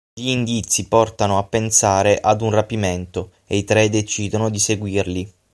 Gli indizi portano a pensare ad un rapimento e i tre decidono di seguirli.